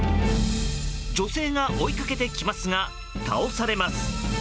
女性が追いかけてきますが倒されます。